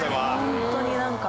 ホントになんか。